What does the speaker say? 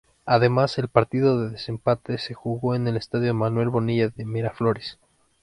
Además el partido de desempate se jugó en el Estadio Manuel Bonilla de Miraflores.